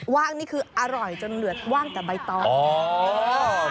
ว่างนี่คืออร่อยจนเหลือว่างกับใบตอง